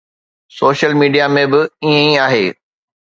Social media ۾ به ائين ئي آهي.